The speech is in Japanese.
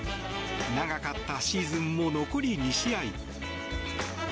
長かったシーズンも残り２試合。